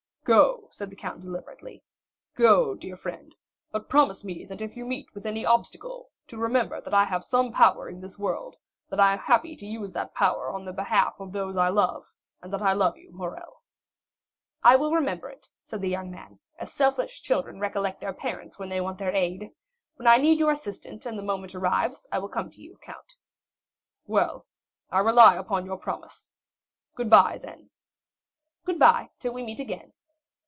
"Go," said the count deliberately; "go, dear friend, but promise me if you meet with any obstacle to remember that I have some power in this world, that I am happy to use that power in the behalf of those I love, and that I love you, Morrel." 40260m "I will remember it," said the young man, "as selfish children recollect their parents when they want their aid. When I need your assistance, and the moment arrives, I will come to you, count." "Well, I rely upon your promise. Good bye, then." "Good bye, till we meet again."